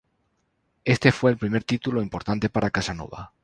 Este fue el primer título importante para Casanova.